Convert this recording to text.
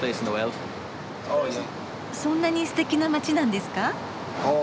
そんなにすてきな街なんですか？